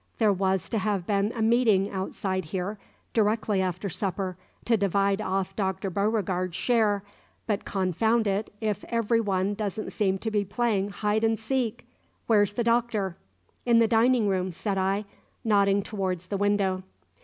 "There was to have been a meeting outside here, directly after supper, to divide off Doctor Beauregard's share; but confound it if every one don't seem to be playing hide and seek! Where's the Doctor?" "In the dining room," said I, nodding towards the window.